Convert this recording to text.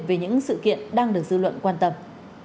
về những sự kiện đang được dư luận quan tâm